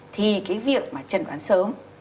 thì cái việc mà trần đoán sớm